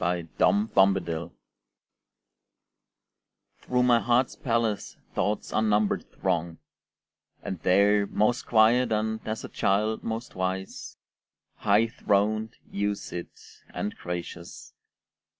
Day and Night Through my heart's palace Thoughts unnumbered throng; And there, most quiet and, as a child, most wise, High throned you sit, and gracious.